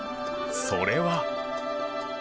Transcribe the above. それは。